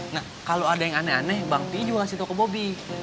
nah kalau ada yang aneh aneh bang pi juga ngasih toko bobi